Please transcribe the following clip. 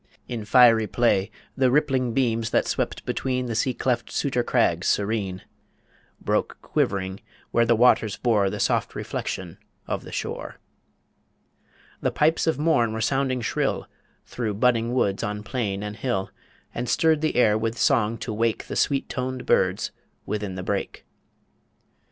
In fiery play The rippling beams that swept between The sea cleft Sutor crags serene, Broke quivering where the waters bore The soft reflection of the shore. The pipes of morn were sounding shrill Through budding woods on plain and hill, And stirred the air with song to wake The sweet toned birds within the brake.